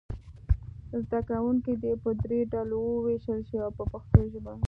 زده کوونکي دې په دریو ډلو وویشل شي په پښتو ژبه.